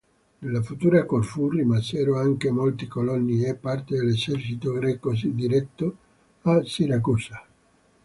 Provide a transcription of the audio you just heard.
Nella futura Corfù rimasero anche molti coloni e parte dell'esercito greco diretto a Siracusa.